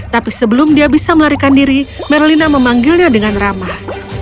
tapi sebelum dia bisa melarikan diri merlina memanggilnya dengan ramah